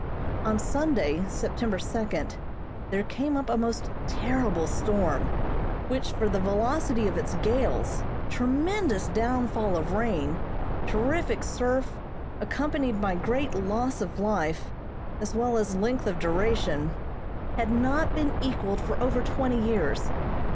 On Sunday, September second, there came up a most terrible storm, which, for the velocity of its gales, tremendous downfall of rain, terrific surf, accompanied by great loss of life, as well as length of duration, had not been equalled for over twenty years.